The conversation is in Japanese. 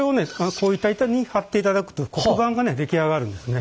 こういった板に貼っていただくと黒板がね出来上がるんですね。